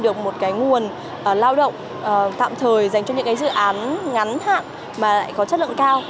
bạn không có một cái nguồn lao động tạm thời dành cho những cái dự án ngắn hạn mà lại có chất lượng cao